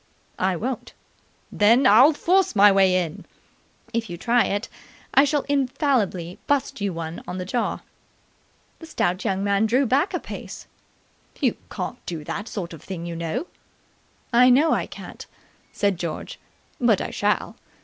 "I won't." "Then I'll force my way in!" "If you try it, I shall infallibly bust you one on the jaw." The stout young man drew back a pace. "You can't do that sort of thing, you know." "I know I can't," said George, "but I shall.